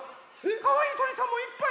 かわいいとりさんもいっぱい。